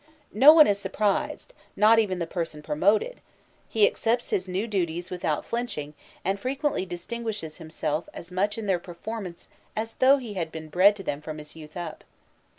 No one is surprised, not even the person promoted; he accepts his new duties without flinching, and frequently distinguishes himself as much in their performance as though he had been bred to them from his youth up.